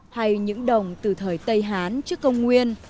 hay những đồng từ thời tây hán trước công nguyên